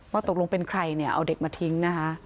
ตกลงเป็นใครเนี่ยเอาเด็กมาทิ้งนะคะ